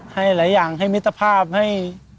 ให้หลายอย่างให้มิตรภาพให้